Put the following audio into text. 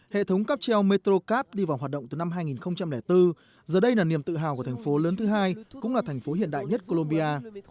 hệ thống cáp treo metro cáp đi vào hoạt động từ năm hai nghìn bốn giờ đây là niềm tự hào của thành phố lớn thứ hai cũng là thành phố hiện đại nhất colombia